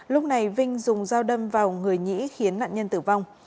lúc này vinh dùng dao đâm vào người nhĩ khiến nạn nhân tử vong